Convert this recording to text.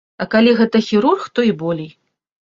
А калі гэта хірург, то і болей.